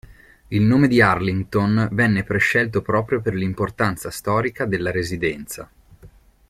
Il nome di Arlington venne prescelto proprio per l'importanza storica della residenza.